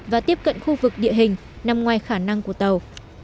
và tiếp cận khu vực địa hình nằm ngoài khả năng của tàu